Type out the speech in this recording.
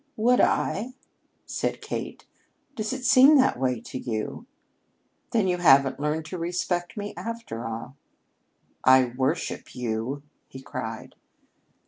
"Would I?" said Kate. "Does it seem that way to you? Then you haven't learned to respect me, after all." "I worship you," he cried.